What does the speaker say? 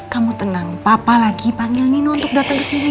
kamu tenang papa lagi panggil nino untuk datang kesini